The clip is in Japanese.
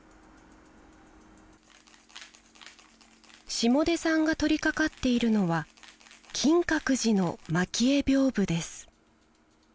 下出さんが取りかかっているのは金閣寺の蒔絵屏風です。